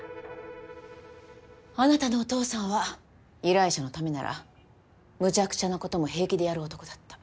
あなたのお父さんは依頼者のためならむちゃくちゃなことも平気でやる男だった。